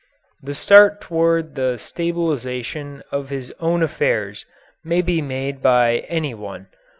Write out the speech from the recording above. The start toward the stabilization of his own affairs may be made by any one.